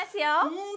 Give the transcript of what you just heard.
うん！